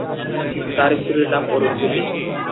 এঁর স্ত্রীর নাম অরুন্ধতী।